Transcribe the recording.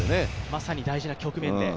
まさに大事な局面で。